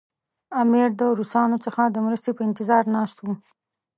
امیر د روسانو څخه د مرستې په انتظار ناست وو.